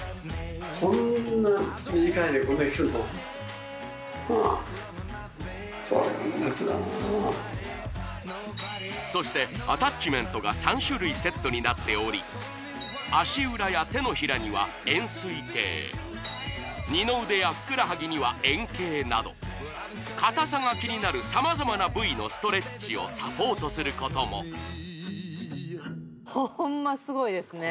こんなそしてアタッチメントが３種類セットになっており足裏や手のひらには円錐形二の腕やふくらはぎには円形など硬さが気になる様々な部位のストレッチをサポートすることもホンマすごいですね